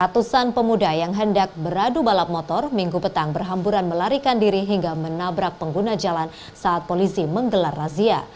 ratusan pemuda yang hendak beradu balap motor minggu petang berhamburan melarikan diri hingga menabrak pengguna jalan saat polisi menggelar razia